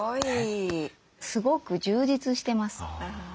すごく充実してます。